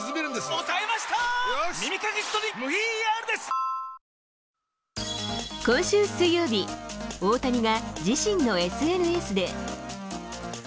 その大谷が今週、今週水曜日、大谷が自身のＳＮＳで。